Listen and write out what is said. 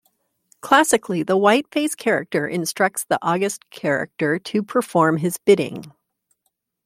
Classically the whiteface character instructs the auguste character to perform his bidding.